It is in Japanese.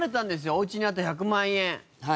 お家にあった１００万円。